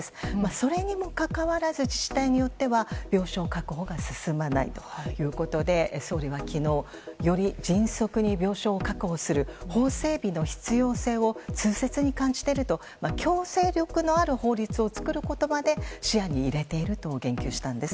それにもかかわらず自治体によっては病床確保が進まないということで総理は昨日より迅速に病床を確保する法整備の必要性を痛切に感じていると強制力のある法律を作ることまで視野に入れていると言及したんです。